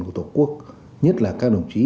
của tổ quốc nhất là các đồng chí